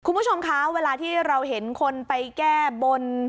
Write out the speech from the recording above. คุณผู้ชมคะเวลาที่เราเห็นคนไปแก้บน